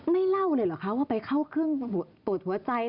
เล่าเลยเหรอคะว่าไปเข้าเครื่องตรวจหัวใจ